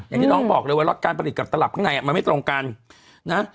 อย่างที่น้องบอกเลยว่าล็อตการผลิตกับตลับข้างในมันไม่ตรงกันนะ